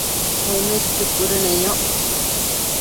uënësqio cuëdëneyoc